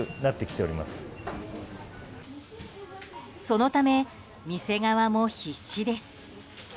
そのため、店側も必死です。